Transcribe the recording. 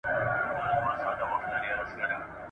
رپول مي بیرغونه هغه نه یم !.